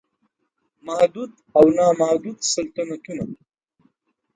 محدود او نا محدود سلطنتونه